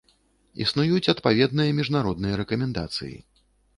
Існуюць адпаведныя міжнародныя рэкамендацыі.